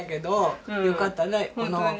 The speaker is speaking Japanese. よかったね。